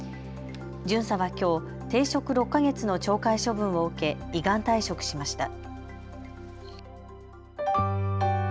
巡査はきょう停職６か月の懲戒処分を受け依願退職しました。